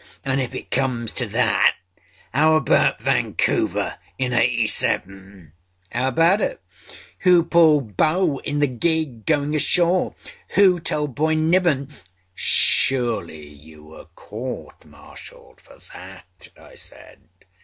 âAnâ if it comes to that how about Vancouver in â87?â âHow about it? Who pulled bow in the gig going ashore? Who told Boy Nivenâ¦?â âSurely you were court martialled for that?â I said.